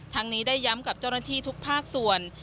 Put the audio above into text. นี้ได้ย้ำกับเจ้าหน้าที่ทุกภาคส่วน